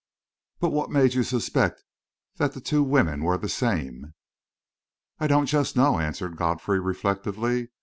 "But what made you suspect that the two women were the same?" "I don't just know," answered Godfrey, reflectively.